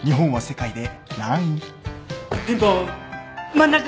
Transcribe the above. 真ん中！